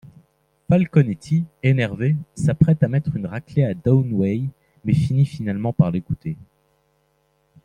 Falconetti, énervé, s'apprête à mettre une raclée à Downey mais finit finalement par l'écouter.